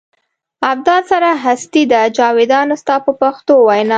ابدا سره هستي ده جاویدان ستا په پښتو وینا.